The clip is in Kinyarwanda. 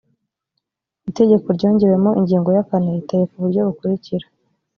itegeko ryongewemo ingingo ya kane iteye ku buryo bukurikira